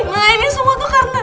nah ini semua tuh karena